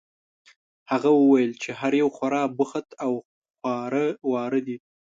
هغه وویل چې هر یو خورا بوخت او خواره واره دي.